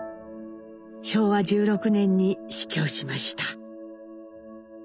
昭和１６年に死去しました。